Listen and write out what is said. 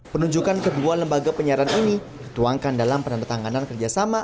penunjukan kedua lembaga penyiaran ini dituangkan dalam penandatanganan kerjasama